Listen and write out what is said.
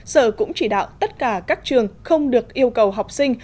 sở cũng chỉ đạo tất cả các trường không được yêu cầu học sinh